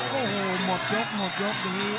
โอ้โหหมดยกหมดยกนี้